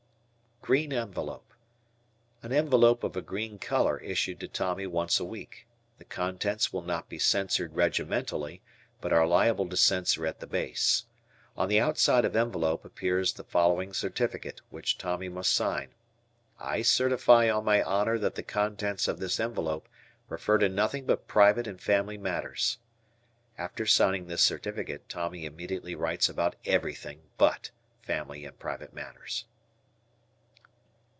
Green Envelope. An envelope of a green color issued to Tommy once a week. The contents will not be censored regimentally, but are liable to censor at the base. On the outside of envelope appears the following certificate, which Tommy must sign: "I certify on my honor that the contents of this envelope refer to nothing but private and family matters." After signing this certificate Tommy immediately writes about everything but family and private matters.